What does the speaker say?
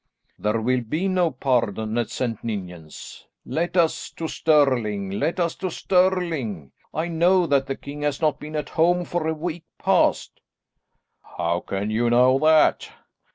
"There will be no pardon at St. Ninians. Let us to Stirling; let us to Stirling. I know that the king has not been at home for a week past." "How can you know that?"